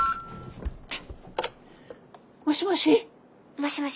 ☎もしもし。